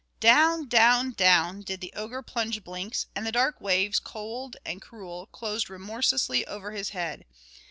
Down, down, down, did the ogre plunge Blinks, and the dark waves, cold and cruel, closed remorselessly over his head.